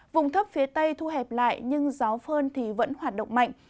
vùng thấp phía tây thu hẹp lại nhưng gió phơn vẫn hoạt động mạnh